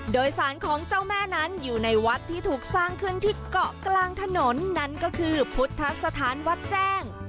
โดยสารของเจ้าแม่นั้นอยู่ในวัดที่ถูกสร้างขึ้นที่เกาะกลางถนนนั่นก็คือพุทธสถานวัดแจ้ง